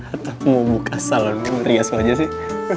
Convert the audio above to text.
atau mau buka salon lo merias wajah sih